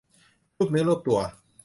ลูบเนื้อลูบตัว